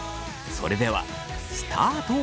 それではスタート。